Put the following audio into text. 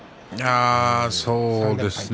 そうですね。